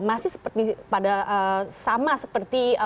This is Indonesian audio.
masih sama seperti